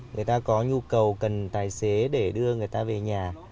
người ta có nhu cầu cần tài xế để đưa người ta về nhà